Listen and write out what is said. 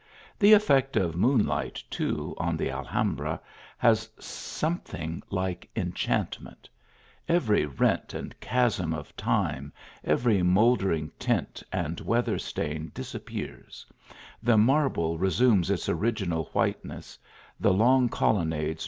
The effect of moonlight, too, on the Alhambra has something like enchantment. Every rent and chasm of time, every mouldering tint and weather stain disappears; the marble re sumes its original whiteness ; the long colonnades 66 THE ALHAMBRA.